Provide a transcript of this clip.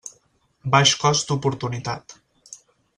Baix cost d'oportunitat.